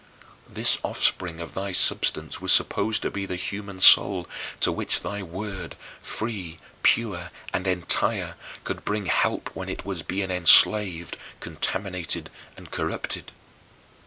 This offspring of thy substance was supposed to be the human soul to which thy Word free, pure, and entire could bring help when it was being enslaved, contaminated, and corrupted.